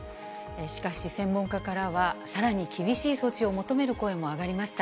しかし、専門家からはさらに厳しい措置を求める声も上がりました。